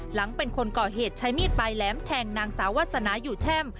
หลังเป็นคนก่อเหตุใช้มีดปลายแหลมแทงนางสาววาสนาอยู่แช่ม